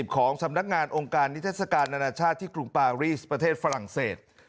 ของสำนักงานองค์การนิทัศกาลนานาชาติที่กรุงปารีสประเทศฝรั่งเศส